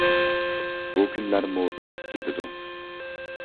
بۇ كۈنلەرمۇ ئۆتۈپ كېتىدۇ.